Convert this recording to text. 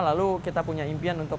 lalu kita punya impian untuk